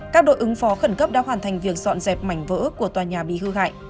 các đội ứng phó khẩn cấp đã hoàn thành việc dọn dẹp mảnh vỡ của tòa nhà bị hư hại